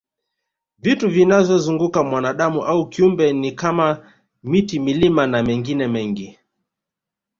Vitu vinavyomzunguka mwanadam au kiumbe ni kama miti milima na mengine mengi